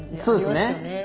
そうですね。